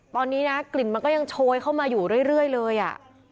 ตอนนี้นะกลิ่นมันก็ยังโชยเข้ามาอยู่เรื่อยเลยอ่ะ